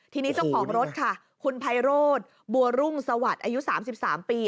ทีนี้เจ้าของรถค่ะคุณไพโรธบัวรุ่งสวัสดิ์อายุ๓๓ปี